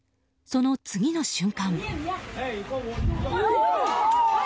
その次の瞬間。